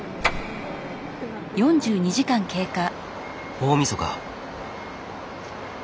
大みそか。